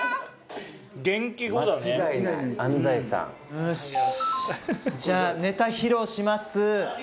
よしじゃあネタ披露します。